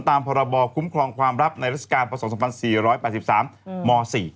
ตามพศคุ้มครองความรับในรัฐกาลปศ๒๒๔๘๓ม๔